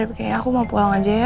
kayaknya aku mau pulang aja ya